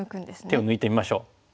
手を抜いてみましょう。